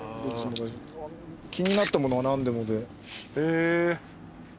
気になったものは何でもで。